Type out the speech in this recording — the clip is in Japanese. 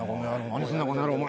何すんだよこの野郎お前。